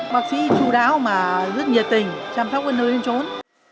bác sĩ chú đáo mà rất nhiệt tình chăm sóc con người lên trốn